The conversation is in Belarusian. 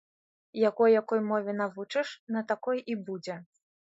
Яго якой мове навучыш, на такой і будзе.